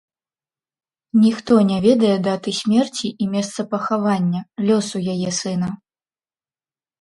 Ніхто не ведае даты смерці і месца пахавання, лёсу яе сына.